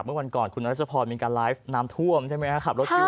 เมื่อวันก่อนคุณรัชพรมีการไลฟ์น้ำท่วมใช่ไหมครับขับรถอยู่